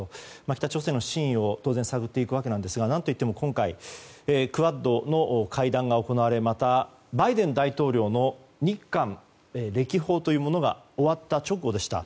北朝鮮の真意を当然探っていくわけなんですが何といっても今回クアッドの会談が行われまた、バイデン大統領の日韓歴訪というものが終わった直後でした。